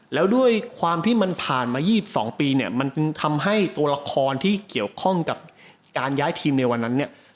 แล้วด้วยความที่มันผ่านมา๒๒ปีเนี่ยมันทำให้ตัวละครที่เกี่ยวข้องกับการย้ายทีมในวันนั้นเนี่ย